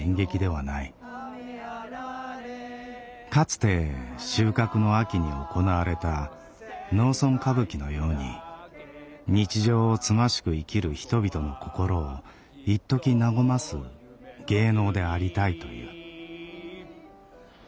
かつて収穫の秋に行われた農村歌舞伎のように日常をつましく生きる人々の心をいっとき和ます芸能でありたいという。